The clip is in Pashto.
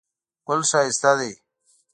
ګل ښایسته دی.